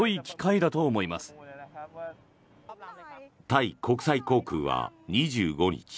タイ国際航空は２５日